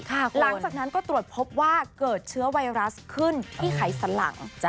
หลังจากนั้นก็ตรวจพบว่าเกิดเชื้อไวรัสขึ้นที่ไขสันหลัง